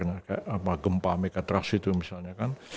kayak apa gempa megatrust itu misalnya kan